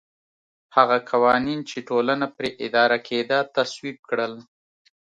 هغه قوانین چې ټولنه پرې اداره کېده تصویب کړل